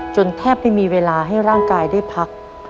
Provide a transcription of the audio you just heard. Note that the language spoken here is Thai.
แทบไม่มีเวลาให้ร่างกายได้พัก